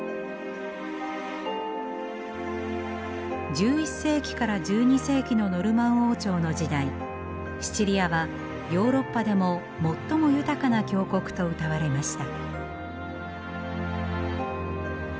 １１世紀から１２世紀のノルマン王朝の時代シチリアはヨーロッパでも最も豊かな強国とうたわれました。